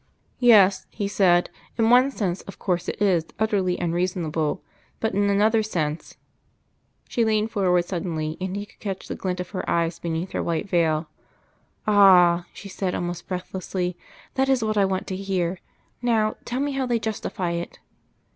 "Yes," he said, "in one sense, of course it is utterly unreasonable. But in another sense " She leaned forward suddenly, and he could catch the glint of her eyes beneath her white veil. "Ah!" she said, almost breathlessly. "That is what I want to hear. Now, tell me how they justify it."